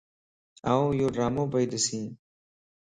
آن ايوڊرامو پيئي ڏسين